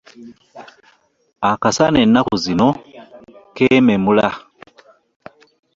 akasana ennaku zino keememula!